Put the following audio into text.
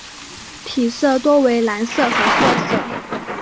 体色多为蓝色和褐色。